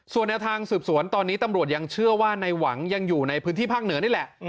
ส่วนแนวทางสืบสวนตอนนี้ตำรวจยังเชื่อว่าในหวังยังอยู่ในพื้นที่ภาคเหนือนี่แหละ